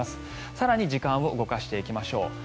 更に時間を動かしていきましょう。